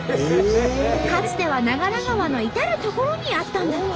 かつては長良川の至る所にあったんだって。